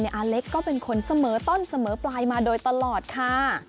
อาเล็กก็เป็นคนเสมอต้นเสมอปลายมาโดยตลอดค่ะ